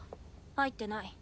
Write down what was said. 入ってない。